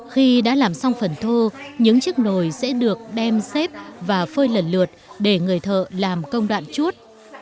khi đã làm xong phần thô những chiếc nồi sẽ được đem xếp và phơi lần lượt để người thợ làm công đoạn chuốt